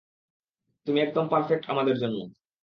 তুমি একদম পারফেক্ট আমাদের জন্য।